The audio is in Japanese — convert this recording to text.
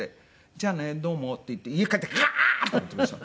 「じゃあねどうも」って言って家帰ってガーッ！って食べてました。